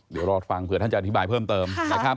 เดี๋ยวรอฟังเผื่อท่านจะอธิบายเพิ่มเติมนะครับ